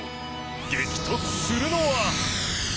激突するのは。